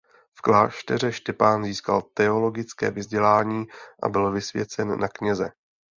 V klášteře Štěpán získal teologické vzdělání a byl vysvěcen na kněze.